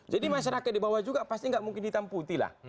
jadi masyarakat di bawah juga pasti nggak mungkin ditamputi lah